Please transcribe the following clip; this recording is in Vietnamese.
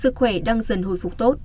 sức khỏe đang dần hồi phục tốt